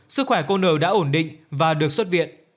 sức khỏe cô nở đã ổn định và được xuất viện